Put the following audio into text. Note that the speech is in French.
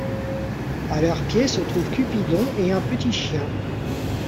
À leurs pieds se trouve Cupidon et un petit chien.